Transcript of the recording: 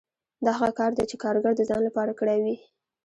دا هغه کار دی چې کارګر د ځان لپاره کړی وي